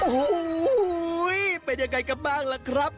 โอ้โหเป็นยังไงกันบ้างล่ะครับ